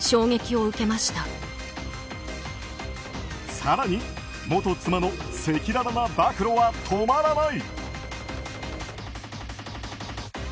更に、元妻の赤裸々な暴露は止まらない。